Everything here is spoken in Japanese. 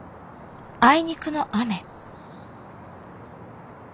あいにくの雨。